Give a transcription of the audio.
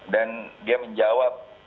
dan dia menjawab